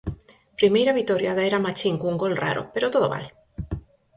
Primeira vitoria da era Machín cun gol raro, pero todo vale.